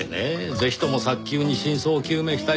ぜひとも早急に真相を究明したいと思っています。